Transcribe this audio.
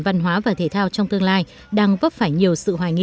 văn hóa và thể thao trong tương lai đang vấp phải nhiều sự hoài nghi